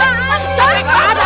eh copek apa